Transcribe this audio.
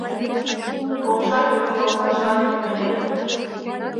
Полша йолташлан пионер.